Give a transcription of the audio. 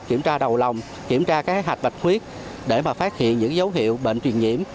kiểm tra đầu lòng kiểm tra các hạt bạch huyết để phát hiện những dấu hiệu bệnh truyền nhiễm